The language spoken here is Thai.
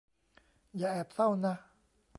อย่าแอบเศร้านะ